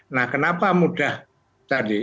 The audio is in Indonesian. nah kenapa mudah tadi